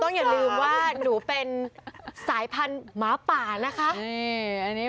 ต้องอย่ารืมว่าหนูเป็นสายพันธุ์หมาปานะคะนี่อันนี้